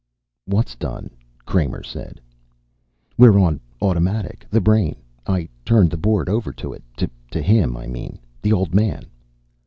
"What's done?" Kramer said. "We're on automatic. The brain. I turned the board over to it to him, I mean. The Old Man."